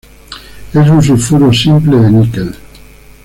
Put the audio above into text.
Es un sulfuro simple de níquel.